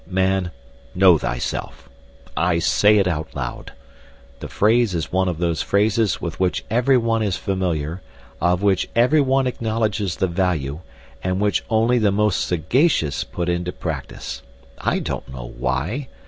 Man, know thyself. I say it out loud. The phrase is one of those phrases with which everyone is familiar, of which everyone acknowledges the value, and which only the most sagacious put into practice. I don't know why.